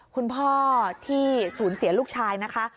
คุณพ่อที่สูญเสียลูกชายนะคะ